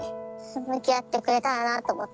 向き合ってくれたらなと思って。